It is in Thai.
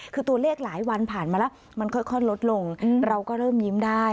คือตัวเลขหลายวันผ่านมาแล้วมันค่อยลดลงเราก็เริ่มยิ้มได้